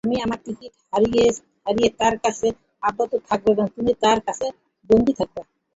আমি আমার টিকিট হারিয়ে তার কাছে আবদ্ধ থাকব এবং তুমি তার কাছে বন্দী থাকবা?